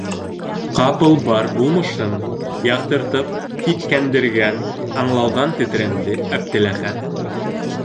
Ҡапыл бар булмышын яҡтыртып һиҫкәндергән аңлауҙан тетрәнде Әптеләхәт.